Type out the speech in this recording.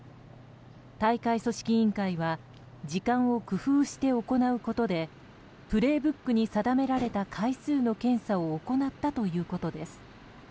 大会組織委員会は時間を工夫して行うことで「プレイブック」に定められた回数の検査を行ったということです。